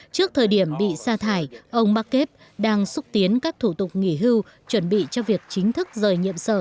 trước thời điểm bị sa thải ông market đang xúc tiến các thủ tục nghỉ hưu chuẩn bị cho việc chính thức rời nhiệm sở